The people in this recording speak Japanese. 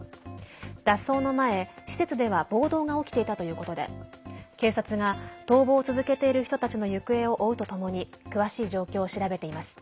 脱走の前、施設では暴動が起きていたということで警察が逃亡を続けている人たちの行方を追うとともに詳しい状況を調べています。